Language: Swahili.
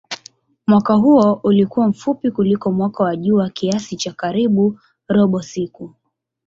Mwaka huo ulikuwa mfupi kuliko mwaka wa jua kiasi cha karibu robo siku.